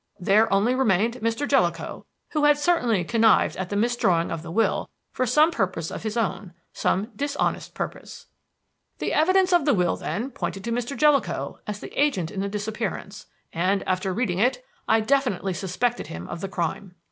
There only remained Mr. Jellicoe, who had certainly connived at the misdrawing of the will for some purpose of his own some dishonest purpose. "The evidence of the will, then, pointed to Mr. Jellicoe as the agent in the disappearance, and, after reading it, I definitely suspected him of the crime.